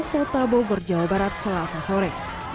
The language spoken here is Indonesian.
kota bogor jawa barat selasa sore